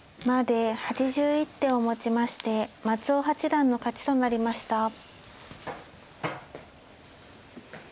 まで８１手をもちまして松尾八段の勝ちとなりました。